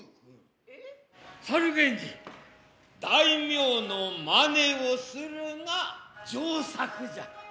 猿源氏大名の眞似をするが上策じゃ。